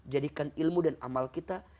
jadikan ilmu dan amal kita